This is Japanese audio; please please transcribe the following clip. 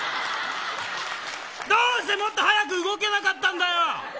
どうしてもっと早く動けなかっただよ。